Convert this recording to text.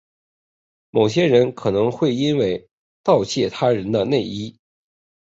某些人可能会因此而窃盗他人的内衣。